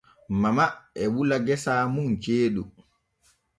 Mama e wula gese mun ceeɗu.